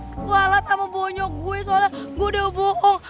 soalnya gue udah bohong